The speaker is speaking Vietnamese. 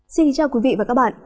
xin chào quý vị và các bạn